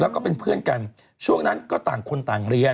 แล้วก็เป็นเพื่อนกันช่วงนั้นก็ต่างคนต่างเรียน